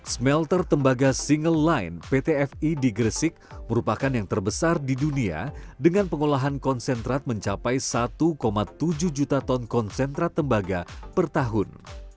smelter tembaga single line pt fi di gresik merupakan yang terbesar di dunia dengan pengolahan konsentrat mencapai satu tujuh juta ton konsentrat tembaga per tahun